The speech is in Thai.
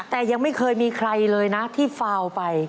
แต่ยังไม่เคยมีใครเลยนะที่ฟาวไป